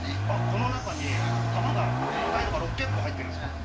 この中に弾が細かいのが６００個入ってるんですか？